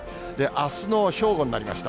あすの正午になりました。